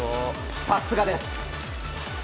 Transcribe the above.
さすがです。